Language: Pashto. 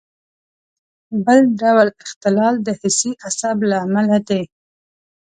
بل ډول اختلال د حسي عصب له امله دی.